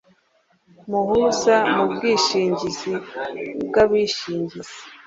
muhuza mu bwishingizi bw’abishingizi.